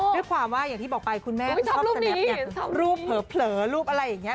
ด้วยความว่าอย่างที่บอกไปคุณแม่ชอบสแลปอย่างรูปเผลอรูปอะไรอย่างนี้